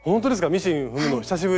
ミシン踏むの久しぶり？